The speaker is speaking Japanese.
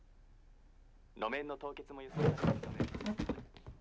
路面の凍結も予想されるので」。